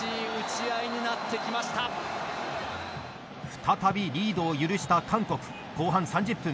再びリードを許した韓国後半３０分。